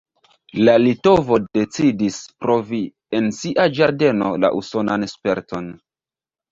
La litovo decidis provi en sia ĝardeno la usonan sperton.